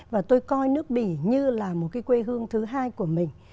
và tôi coi nước bỉ như là một cái quê hương thứ hai của mình